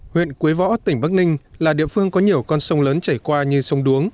huyện quế võ tỉnh bắc ninh là địa phương có nhiều con sông lớn chảy qua như sông đuống